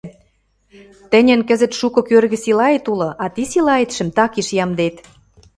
Тӹньӹн кӹзӹт шукы кӧргӹ силаэт улы, а ти силаэтшӹм такеш ямдет.